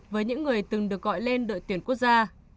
với những người từng được gọi lên đội tuyển quốc gia